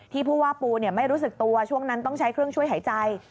ผู้ว่าปูไม่รู้สึกตัวช่วงนั้นต้องใช้เครื่องช่วยหายใจ